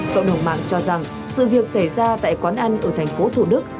cộng đồng mạng cho rằng sự việc xảy ra tại quán ăn ở thành phố thủ đức